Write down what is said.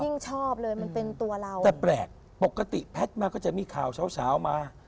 ยิ่งชอบเลยมันเป็นตัวเราแต่แปลกปกติแพทย์มาก็จะมีข่าวเช้าเช้ามา